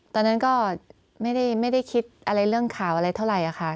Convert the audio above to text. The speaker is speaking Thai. ตอนนั้นก็ไม่ได้คิดอะไรเรื่องข่าวอะไรเท่าไหร่ค่ะ